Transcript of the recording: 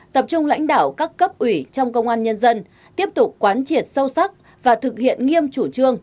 tập trung lãnh đạo các cấp ủy trong công an nhân dân tiếp tục quán triệt sâu sắc và thực hiện nghiêm chủ trương